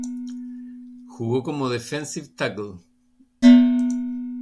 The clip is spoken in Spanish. Jugó como defensive tackle.